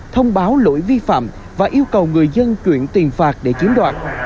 thông báo lỗi vi phạm và yêu cầu người dân chuyển tiền phạt để chiếm đoạt